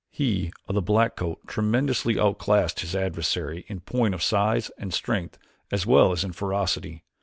He of the black coat tremendously outclassed his adversary in point of size and strength as well as in ferocity.